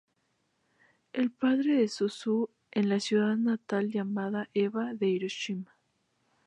El padre de Suzu, en la ciudad natal llamada Eba de Hiroshima.